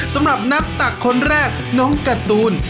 สำหรับนักตักคนแรกน้องการ์ตูน